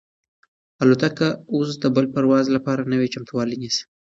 الوتکه اوس د بل پرواز لپاره نوی چمتووالی نیسي.